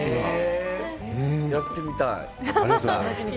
やってみたい。